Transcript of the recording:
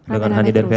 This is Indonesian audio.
dengan hani dan vera